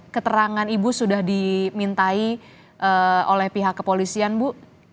keterangan ibu sudah dimintai oleh pihak kepolisian bu